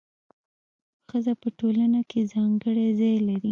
ښځه په ټولنه کي ځانګړی ځای لري.